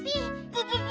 プププ！